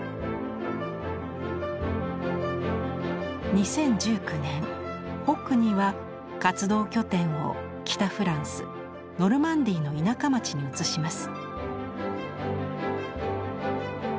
２０１９年ホックニーは活動拠点を北フランスノルマンディーの田舎町に移します。